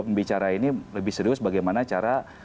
membicara ini lebih serius bagaimana cara